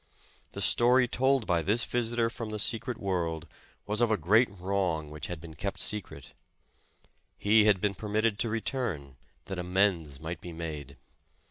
The story told by tliis visitor from the secret world, was of a great wrong which had been kept secret. He had been permitted to return, that amends might be made.